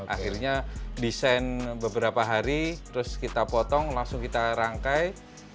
akhirnya desain beberapa hari terus kita potong langsung kita rangkai